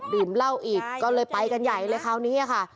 ดื่มเหล้าอีกก็เลยไปกันใหญ่เลยคราวนี้ค่ะ